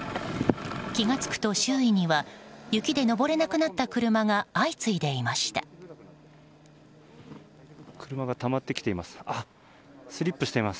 気が付くと、周囲には雪で上れなくなった車が車がたまってきています。